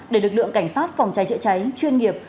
để lực lượng cảnh sát phòng cháy chữa cháy chuyên nghiệp